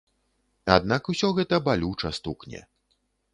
Аднак, усё гэта балюча стукне.